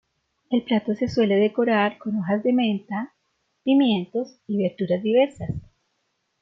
El plato se suele decorar con hoja de menta, pimientos y verduras diversas.